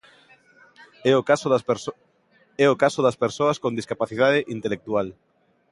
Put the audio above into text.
É o caso das persoas con discapacidade intelectual.